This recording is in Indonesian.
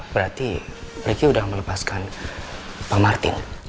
berarti ricky sudah melepaskan pak martin